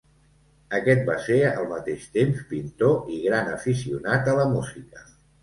Aquest va ser al mateix temps pintor i gran aficionat a la música.